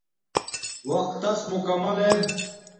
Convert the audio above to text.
وقت تس مکمل ار